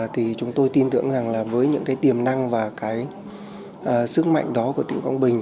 thì chúng tôi tin tưởng rằng là với những cái tiềm năng và cái sức mạnh đó của tỉnh quảng bình